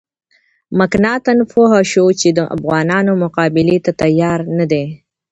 مکناتن پوه شو چې د افغانانو مقابلې ته تیار نه دی.